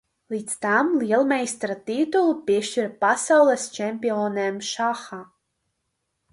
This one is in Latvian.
Līdz tam lielmeistara titulu piešķira Pasaules čempionēm šahā.